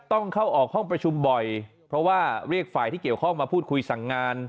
ต้องเข้าออกห้องประชุมบ่อยเพราะว่าเรียกฝ่ายที่เกี่ยวข้องมาพูดคุยสั่งงาน